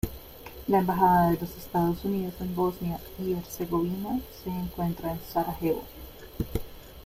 La Embajada de los Estados Unidos en Bosnia y Herzegovina se encuentra en Sarajevo.